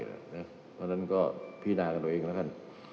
เพราะฉะนั้นก็พินากับตัวเองแล้วกัน